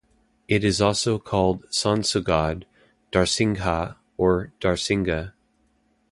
It is also called Sonsogodd, Darsingha or Darsinga.